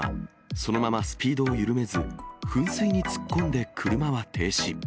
そのままスピードを緩めず、噴水に突っ込んで車は停止。